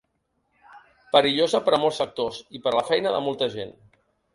Perillosa per a molts sectors i per a la feina de molta gent.